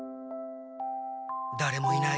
だれもいない。